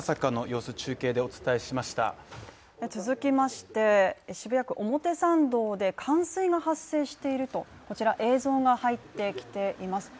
続きまして渋谷区表参道で冠水が発生しているとこちら映像が入ってきています。